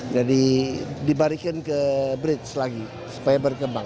jadi dibarikin ke bridge lagi supaya berkembang